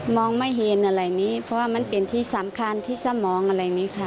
ไม่เห็นอะไรนี้เพราะว่ามันเป็นที่สำคัญที่สมองอะไรอย่างนี้ค่ะ